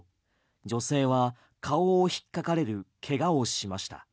女性は顔を引っかかれるけがをしました。